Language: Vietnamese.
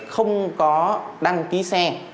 không có đăng ký xe